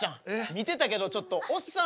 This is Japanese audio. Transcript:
見てたけどちょっとおっさん